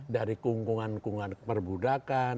dari kungkungan kungkungan perbudakan